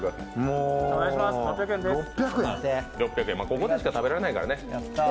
ここでしか食べられないからね。